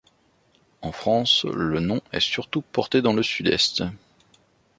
En France, le nom est surtout porté dans le Sud-Est.